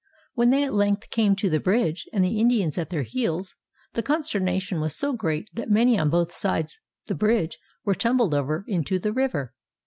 When they at length came to the bridge, and the Indians at their heels, the consternation was so great that many on both sides the bridge were tumbled over into the river.